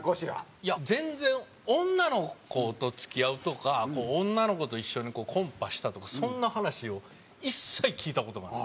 いや全然女の子と付き合うとか女の子と一緒にコンパしたとかそんな話を一切聞いた事がない。